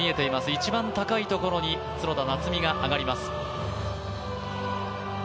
一番高いところに角田夏実が上がります。